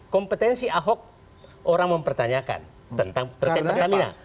kompetensi ahok orang mempertanyakan tentang terkait pertamina